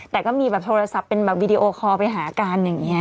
แต่ก็มีโทรศัพท์เพิ่งแบบวีดีโอคอล์ไปหาการอย่างนี้